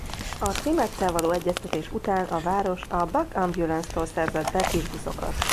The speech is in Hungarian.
A TriMettel való egyeztetés után a város a Buck Ambulance-tól szerzett be kisbuszokat.